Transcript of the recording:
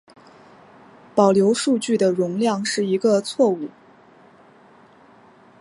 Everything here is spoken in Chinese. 保留数据的容量是一个错误。